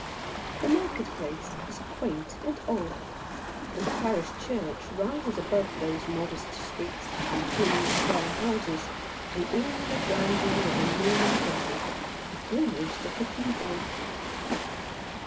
The market place is quaint and odd, and the parish church rises above those modest streets, and prim, square houses, in all the grandeur of Norman Gothic, almost a cathedral.